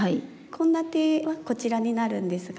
献立はこちらになるんですが。